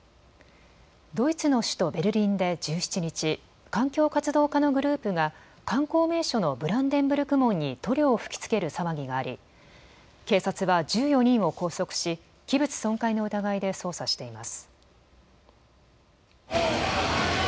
ドイツの首都ベルリンで１７日、環境活動家のグループが観光名所のブランデンブルク門に塗料を吹きつける騒ぎがあり警察は１４人を拘束し器物損壊の疑いで捜査しています。